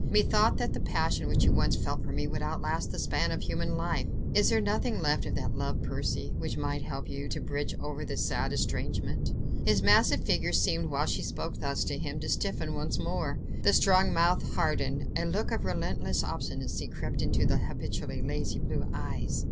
"Methought that the passion which you once felt for me would outlast the span of human life. Is there nothing left of that love, Percy ... which might help you ... to bridge over that sad estrangement?" His massive figure seemed, while she spoke thus to him, to stiffen still more, the strong mouth hardened, a look of relentless obstinacy crept into the habitually lazy blue eyes.